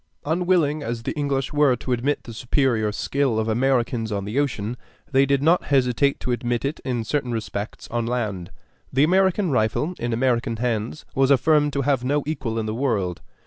Unwilling as the English were to admit the superior skill of Americans on the ocean, they did not hesitate to admit it, in certain respects, on land. The American rifle in American hands was affirmed to have no equal in the world.